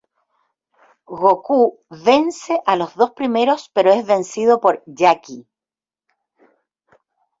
Gokū" vence a los dos primeros pero es vencido por "Jackie".